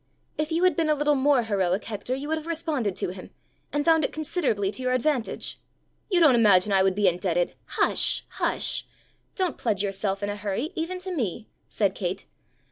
"If you had been a little more heroic, Hector, you would have responded to him and found it considerably to your advantage." "You don't imagine I would be indebted " "Hush! Hush! Don't pledge yourself in a hurry even to me!" said Kate.